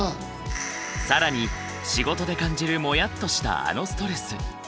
更に仕事で感じるモヤッとしたあのストレス。